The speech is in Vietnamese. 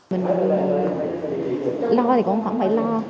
mình lo thì cũng không phải lo